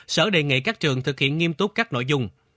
sở đề nghị các trường thực hiện nghiêm túc các nội dung